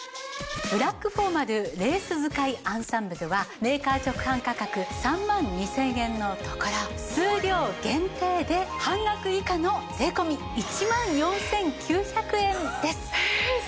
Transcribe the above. ブラックフォーマルレース使いアンサンブルはメーカー直販価格３万２０００円のところ数量限定で半額以下の税込１万４９００円です。